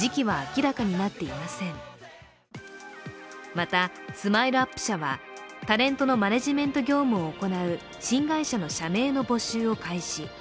また、ＳＭＩＬＥ−ＵＰ．社はタレントのマネジメント業務を行う社名の募集を開始。